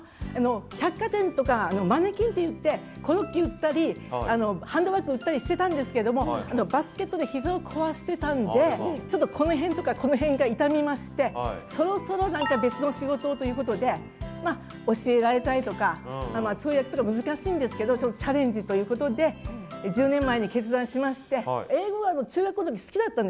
百貨店とかのマネキンっていってコロッケ売ったりハンドバッグ売ったりしてたんですけどもバスケットで膝を壊してたんでちょっとこの辺とかこの辺が痛みましてそろそろ何か別の仕事をいうことでまっ教えられたりとか通訳とか難しいんですけどチャレンジということで１０年前に決断しまして。